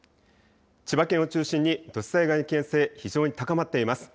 千葉県を中心に土砂災害の危険性、非常に高まっています。